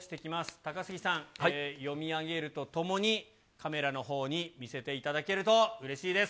高杉さん、読み上げるとともに、カメラのほうに見せていただけると、うれしいです。